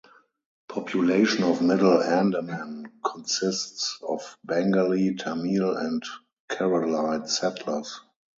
Population of Middle Andaman consists of Bengali, Tamil and Keralite settlers.